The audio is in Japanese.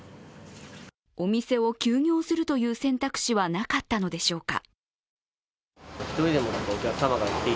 お店を休業するという選択肢はなかったのでしょうか。